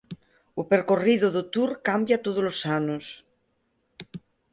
O percorrido do Tour cambia tódolos anos.